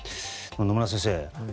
野村先生。